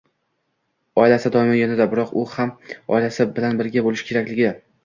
Oilasi doimo yonida. Biroq u ham oilasi bilan birga bo‘lishi kerakligi.